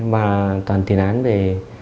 và toàn tiền án về